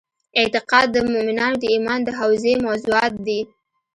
اعتقاد د مومنانو د ایمان د حوزې موضوعات دي.